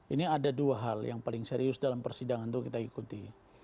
ini ada dua hal yang paling serius dalam persidangan itu kita ikuti